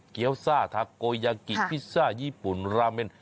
วซ่าทาโกยากิพิซซ่าญี่ปุ่นราเมน